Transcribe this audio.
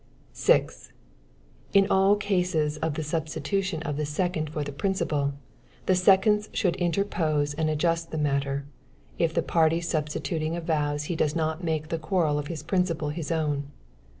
6. In all cases of the substitution of the second for the principal, the seconds should interpose and adjust the matter, if the party substituting avows he does not make the quarrel of his principal his own.